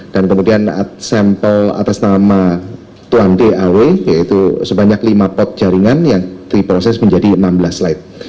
dan kemudian sampel atas nama tuan d awe yaitu sebanyak lima pot jaringan yang diproses menjadi enam belas slide